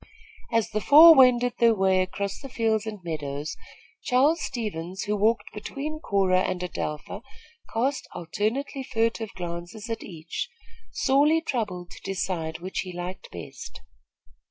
As the four wended their way across the fields and meadows, Charles Stevens, who walked between Cora and Adelpha, cast alternately furtive glances at each, sorely troubled to decide which he liked best.